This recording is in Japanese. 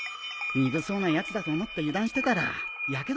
鈍そうなやつだと思って油断してたらやけどするぜ。